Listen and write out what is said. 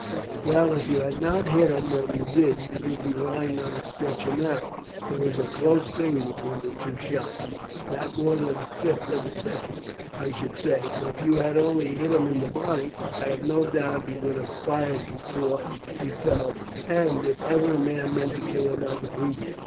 "Well, if you had not hit him where you did, you would be lying on that stretcher now. It was a close thing between the two shots, not more than a fifth of a second, I should say, and if you had only hit him in the body, I have no doubt that he would have fired before he fell; and if ever a man meant to kill another, he did.